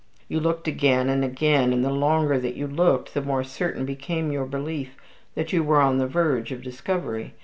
You looked again and again, and the longer that you looked the more certain became your belief that you were on the verge of discovery.